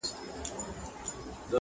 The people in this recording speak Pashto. زما وطن هم لکه غښتلی چنار؛